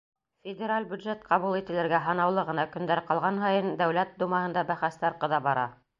Федераль бюджет ҡабул ителергә һанаулы ғына көндәр ҡалған һайын Дәүләт Думаһында бәхәстәр ҡыҙа бара.